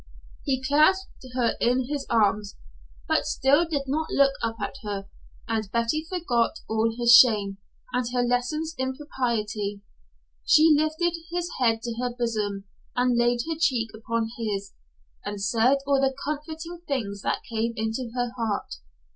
He clasped her in his arms, but still did not look up at her, and Betty forgot all her shame, and her lessons in propriety. She lifted his head to her bosom and laid her cheek upon his and said all the comforting things that came into her heart.